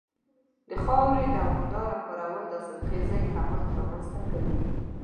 د خاورې دوامداره کارول د حاصلخېزۍ کمښت رامنځته کوي.